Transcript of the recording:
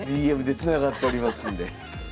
ＤＭでつながっておりますんで。